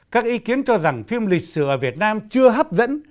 các ý kiến cho rằng phim lịch sử ở việt nam chưa hấp dẫn